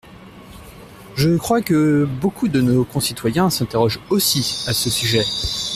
Je crois que beaucoup de nos concitoyens s’interrogent aussi à ce sujet.